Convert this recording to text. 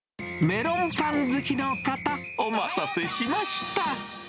メロンパン好きの方、お待たせしました！